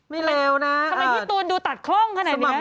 เลวนะทำไมพี่ตูนดูตัดคล่องขนาดนี้